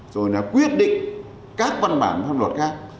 rồi là quyết định các văn bản pháp luật khác